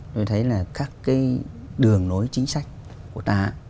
tôi thấy là các cái đường lối chính sách của ta